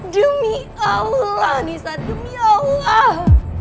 demi allah nisa demi allah